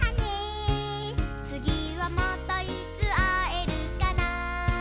「つぎはまたいつあえるかな」